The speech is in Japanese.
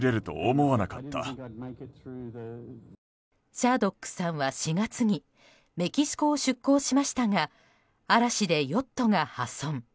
シャードックさんは４月にメキシコを出航しましたが嵐でヨットが破損。